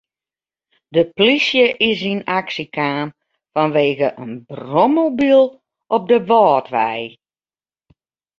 De plysje is yn aksje kaam fanwegen in brommobyl op de Wâldwei.